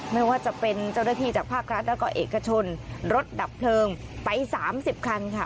ไม่ว่าจะเป็นเจ้าหน้าที่จากภาครัฐแล้วก็เอกชนรถดับเพลิงไป๓๐คันค่ะ